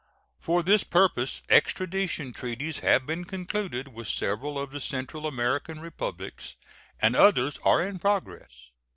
For this purpose extradition treaties have been concluded with several of the Central American Republics, and others are in progress.